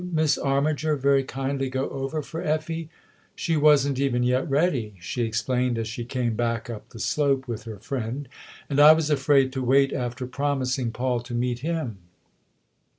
Miss Armiger, very kindly go over for Effie ? She wasn't even yet ready," she explained as she came back up the slope with her friend, " and I was afraid to wait after promising Paul to meet him."